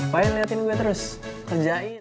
ngapain liatin gue terus kerjain